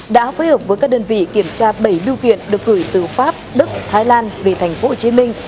đã phối hợp với các đơn vị kiểm tra bảy biêu kiện được gửi từ pháp đức thái lan về thành phố hồ chí minh